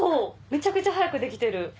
めちゃくちゃ速くできてる。